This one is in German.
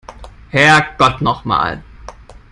Herrgott noch mal!